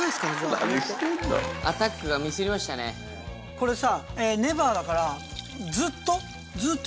これさ。